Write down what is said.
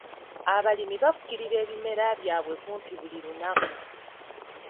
Abalimi bafukirira ebimera byabwe kumpi buli lunaku .